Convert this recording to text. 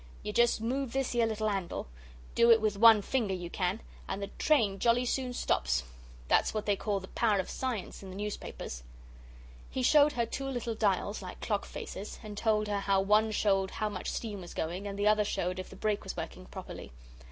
"You just move this 'ere little handle do it with one finger, you can and the train jolly soon stops. That's what they call the Power of Science in the newspapers." He showed her two little dials, like clock faces, and told her how one showed how much steam was going, and the other showed if the brake was working properly.